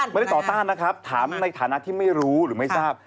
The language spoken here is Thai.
ต่อต้านนะครับถามในฐานะที่ไม่รู้หรือไม่ทราบ